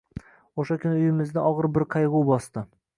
Oʻsha kuni uyimizni ogʻir bir qaygʻu bosdi.